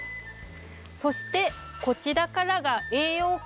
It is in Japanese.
そしてこちらからが栄養系。